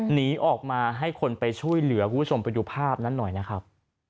หนีออกมาให้คนไปช่วยเหลือคุณผู้ชมไปดูภาพนั้นหน่อยนะครับ